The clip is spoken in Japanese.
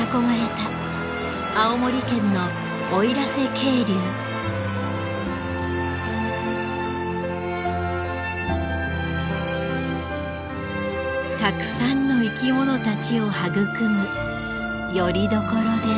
たくさんの生きものたちを育むよりどころです。